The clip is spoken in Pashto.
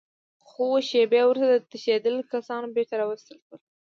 څو شېبې وروسته تښتېدلي کسان بېرته راوستل شول